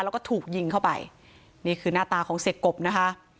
แล้วก็ถูกยิงเข้าไปนี่คือหน้าตาของเสียกบนะคะ